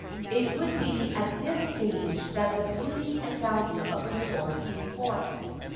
It would be at this stage that the beauty and value of the sword came forth.